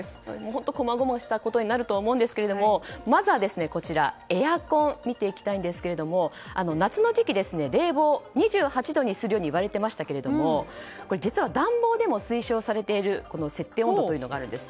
本当こまごましたことになるとは思うんですがまずはエアコンを見ていきたいんですけれども夏の時期、冷房を２８度にするように言われていましたがこれ実は暖房でも推奨されている設定温度というのがあるんです。